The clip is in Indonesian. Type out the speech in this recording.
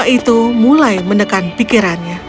diri kau ini adalah bagian dari dirinya